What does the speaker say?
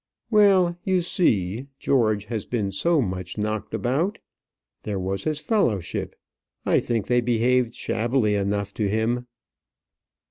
"Well, you see, George has been so much knocked about! There was his fellowship. I think they behaved shabbily enough to him."